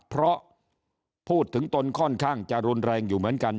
เพราะพูดถึงตนค่อนข้างจะรุนแรงอยู่เหมือนกัน